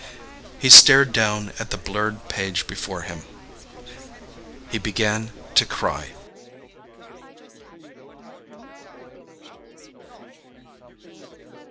He stared down at the blurred page before him. He began to cry.